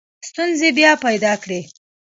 ستونزي پیدا کړې.